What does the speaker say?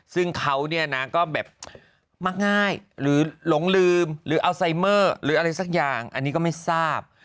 ซึ่งเขาเนี่ยนะก็แบบมักง่ายหรือหลงลืมหรืออัลไซเมอร์หรืออะไรสักอย่างอันนี้ก็ไม่ทราบ